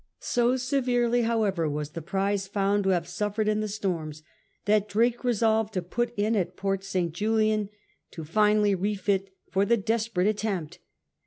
So severely, however, was the prize found to have suffered in the storms that Drake resolved to put in at Port St. Julian to finally refit for the desperate attempt.